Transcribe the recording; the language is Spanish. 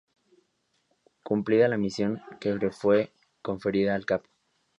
Cumplida la misión que le fue conferida al Cap.